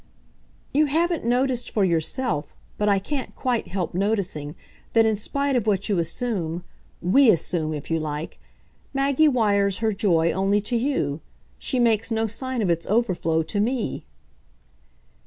"You haven't noticed for yourself, but I can't quite help noticing, that in spite of what you assume WE assume, if you like Maggie wires her joy only to you. She makes no sign of its overflow to me."